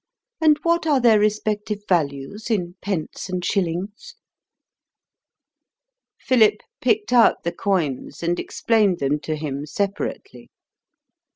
and what are their respective values in pence and shillings?" Philip picked out the coins and explained them to him separately.